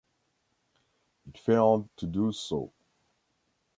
It failed to do so.